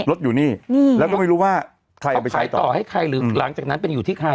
รถอยู่นี่แล้วก็ไม่รู้ว่าใครต่อให้ใครหรือหลังจากนั้นเป็นอยู่ที่ใคร